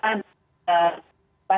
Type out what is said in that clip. dan pemeriksaan wajib untuk pengawasan